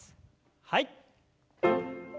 はい。